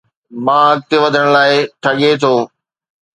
مان اڳتي وڌڻ لاءِ ٺڳي ٿو